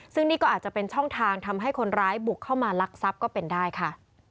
ซึ่งนี่ก็อาจจะเป็นช่องทางทำให้คนร้ายบุกเข้ามาลักทรัพย์ก็เป็นได้ค่ะ